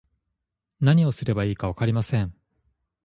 何をすればいいか分かりません